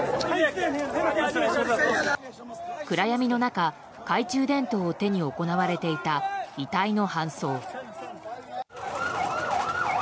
暗闇の中、懐中電灯を手に行われていた遺体の搬送。